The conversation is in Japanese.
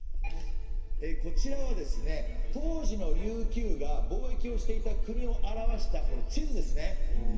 こちらはですね当時の琉球が貿易をしていた国を表した地図ですね。